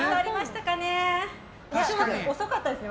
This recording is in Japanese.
でも、遅かったですよね